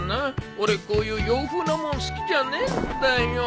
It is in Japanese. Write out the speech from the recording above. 俺こういう洋風な物好きじゃねえんだよ。